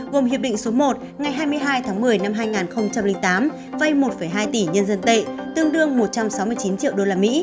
gồm hiệp định số một ngày hai mươi hai tháng một mươi năm hai nghìn tám vay một hai tỷ nhân dân tệ tương đương một trăm sáu mươi chín triệu usd